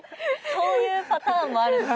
そういうパターンもあるんですね。